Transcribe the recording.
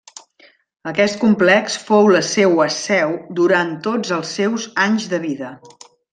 Aquest complex fou la seua seu durant tots els seus anys de vida.